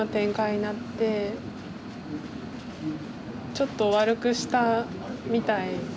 ちょっと悪くしたみたい。